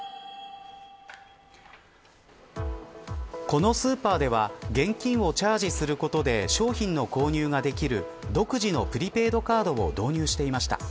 このスーパーでは現金をチャージすることで商品の購入ができる、独自のプリペイドカードを導入していました。